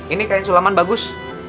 ini kain sulaman bagus